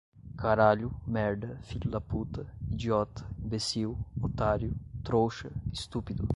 Caralho, merda, filho da puta, idiota, imbecil, otário, trouxa, estúpido